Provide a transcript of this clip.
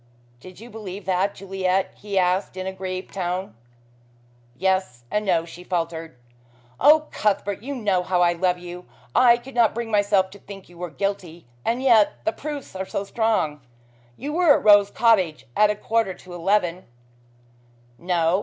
"Did you believe that, Juliet?" he asked in a grieved tone. "Yes and no," she faltered. "Oh, Cuthbert, you know how I love you. I could not bring myself to think you were guilty and yet the proofs are so strong. You were at Rose Cottage at a quarter to eleven " "No.